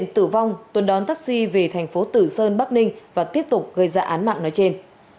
tử vong tuấn đón taxi về thành phố tử sơn bắc ninh và tiếp tục gây ra án mạng nói trên